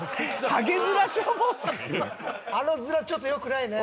「あのヅラちょっとよくないね」